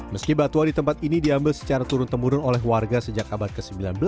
meski batuan di tempat ini diambil secara turun temurun oleh warga sejak abad ke sembilan belas